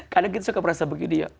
kadang kita suka merasa begini ya